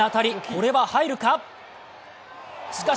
これは入るか？